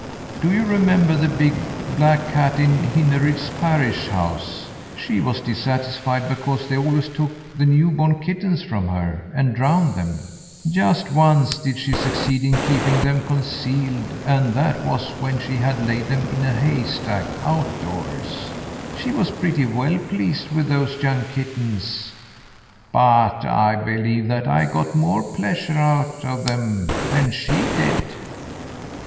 Do you remember the big, black cat in Hinneryd's parish house? She was dissatisfied because they always took the new born kittens from her, and drowned them. Just once did she succeed in keeping them concealed, and that was when she had laid them in a haystack, out doors. She was pretty well pleased with those young kittens, but I believe that I got more pleasure out of them than she did."